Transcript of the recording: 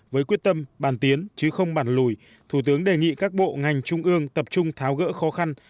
với quyết tâm bàn tiến chứ không bàn lùi thủ tướng đề nghị các bộ ngành trung ương tập trung tháo gỡ khó khăn